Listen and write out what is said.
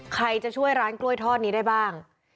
ใครจะช่วยร้านกล้วยทอดนี้ได้บ้าง